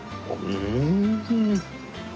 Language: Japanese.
うん！